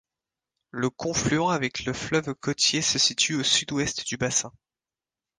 Le confluent avec le fleuve côtier se situe au sud-ouest du bassin.